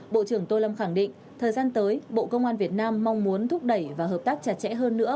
bộ trưởng tô lâm khẳng định thời gian tới bộ công an việt nam mong muốn thúc đẩy và hợp tác chặt chẽ hơn nữa